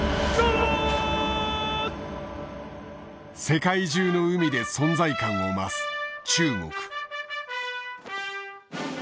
世界中の海で存在感を増す中国。